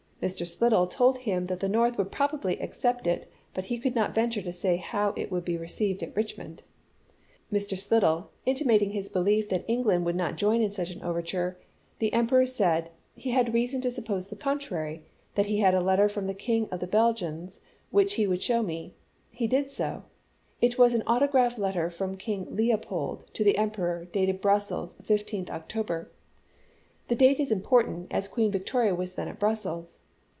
Mr. Slidell told him that the North would probably accept it, but could not venture to say how it would be received at Richmond. Mr. Slidell intima ting his belief that England would not join in such JOHN SLIDELL. MEDIATION DECLINED 81 an overture, the Emperor said " he had reason to chap. iv. suppose the contrary ; that he had a letter from the King of the Belgians which he would show me. He did so ; it was an autograph letter from King Leopold to the Emperor, dated Brussels, 15th Octo 1862. ber. The date is important, as Queen Victoria was then at Brussels.